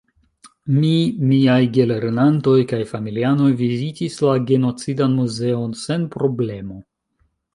Mi, miaj gelernantoj kaj familianoj vizitis la "Genocidan Muzeon" sen problemo.